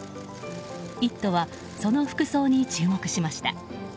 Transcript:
「イット！」はその服装に注目しました。